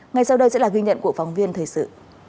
ngay sau đây sẽ là ghi nhận của phóng viên thời sự